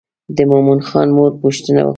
د مومن خان مور پوښتنه وکړه.